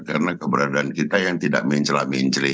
karena keberadaan kita yang tidak mincelah mincelih